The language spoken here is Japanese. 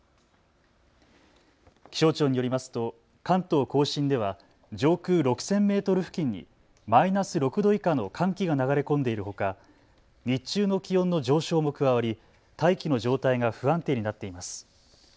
気象庁によりますと関東甲信では上空６０００メートル付近にマイナス６度以下の寒気が流れ込んでいるほか日中の気温の上昇も加わり大気の状態が不安定になっています。